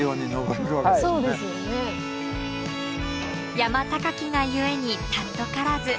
山高きが故に貴からず。